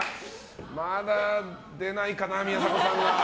まだ出ないかな、宮迫さんは。